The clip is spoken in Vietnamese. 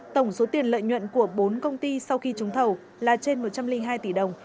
tổng số tiền lợi nhuận của bốn công ty sau khi trúng thầu là trên một trăm linh hai tỷ đồng